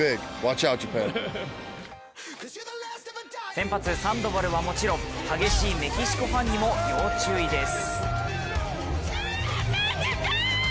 先発サンドバルはもちろん、激しいメキシコファンにも要注意です。